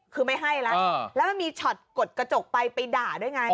คือไม่ให้แล้วแล้วมันมีการลดกระจกไปได้ไง